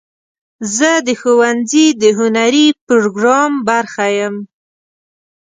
زه د ښوونځي د هنري پروګرام برخه یم.